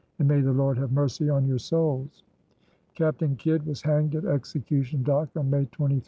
And may the Lord have mercy on your souls!" Captain Kidd was hanged at Execution Dock on May 23, 1701.